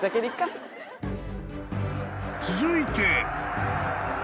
［続いて］